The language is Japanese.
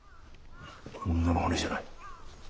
女の骨じゃない？